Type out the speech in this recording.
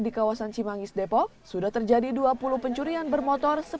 di pangis depok sudah terjadi dua puluh pencurian bermotor